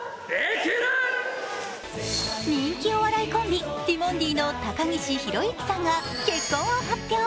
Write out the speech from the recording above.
人気お笑いコンビ、ティモンディの高岸宏行さんが結婚を発表。